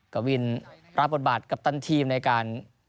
กวินรับบทบาทกัปตันทีมในการ